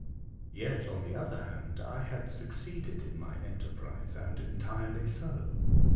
Yet, on the other hand, I had succeeded in my enterprise, and entirely so.